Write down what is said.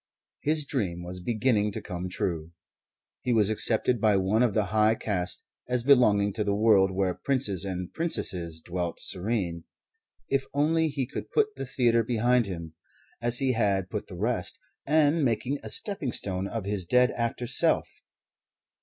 His dream was beginning to come true. He was accepted by one of the high caste as belonging to the world where princes and princesses dwelt serene. If only he could put the theatre behind him, as he had put the rest, and make a stepping stone of his dead actor self!